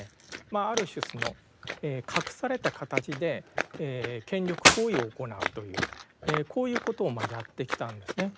ある種その隠された形で権力行為を行うというこういうことをまあやってきたんですね。